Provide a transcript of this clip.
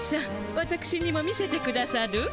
わたくしにも見せてくださる？